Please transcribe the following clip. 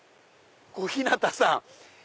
小日向さん！